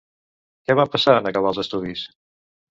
Què va passar en acabar els estudis?